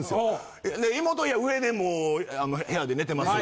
妹上でもう部屋で寝てます